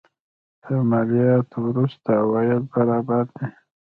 تر مالیاتو وروسته عواید برابر دي.